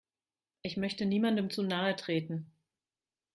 Ich möchte niemandem zu nahe treten.